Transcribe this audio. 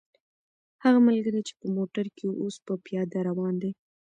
هغه ملګری چې په موټر کې و، اوس په پیاده روان دی.